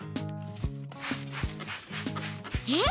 えっ？